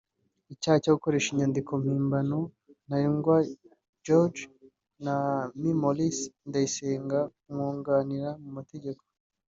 Icyaha cyo gukoresha inyandiko mpimbano Ntarindwa George na Me Maurice Ndayisenga Umwunganira mu mategeko